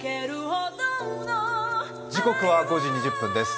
時刻は５時２０分です。